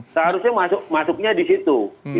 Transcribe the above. seharusnya masuknya di situ